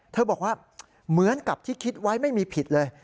บอกว่าเหมือนกับที่คิดไว้ไม่มีผิดเลย